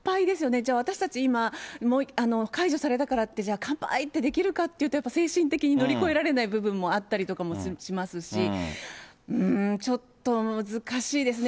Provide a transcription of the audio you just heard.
じゃあ、私たち今、解除されたからって、じゃあ乾杯！ってできるかっていうと、精神的に乗り越えられない部分もあったりしますし、うーん、ちょっと難しいですね。